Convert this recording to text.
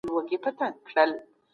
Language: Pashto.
که ته صبر وکړې، بريالی کېږې.